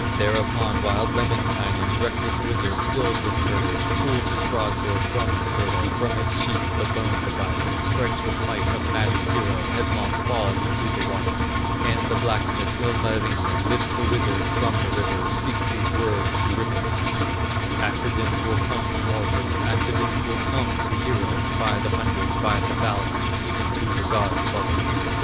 Thereupon wild Lemminkainen, Reckless wizard, filled with courage, Pulls his broadsword from his girdle, From its sheath, the bone divider, Strikes with might of magic hero, Headlong falls into the water; And the blacksmith, Ilmarinen, Lifts the wizard from the river, Speaks these words to dripping Ahti: "Accidents will come to mortals, Accidents will come to heroes, By the hundreds, by the thousands, Even to the gods above us!"